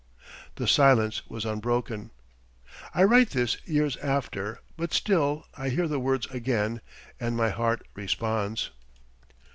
The silence was unbroken. I write this years after, but still I hear the words again and my heart responds.